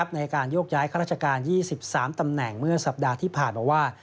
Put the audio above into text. ในการโยกย้ายข้าราชการ๒๓ตำแหน่งเมื่อสัปดาห์ที่ผ่านมาว่า